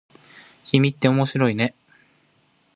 君って面白いね。